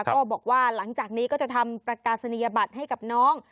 ก็บอกว่าหลังจากนี้ก็จะทำประกาศนียบัตรให้กับน้อง